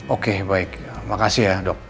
oke baik makasih ya dok